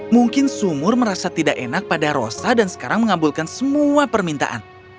mungkin sumur merasa tidak enak pada rosa dan sekarang mengabulkan semua permintaan